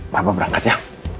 papa berangkat ya